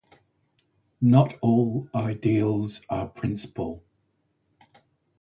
Not all ideals are principal.